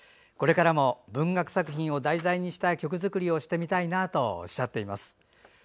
これからも文学作品を題材にした曲作りをしてみたいなとおっしゃっています。